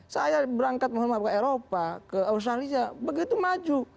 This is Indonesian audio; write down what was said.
saya berangkat mohon maaf ke eropa ke australia begitu maju